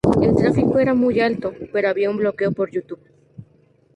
El tráfico era muy alto, pero había un bloqueo por Youtube.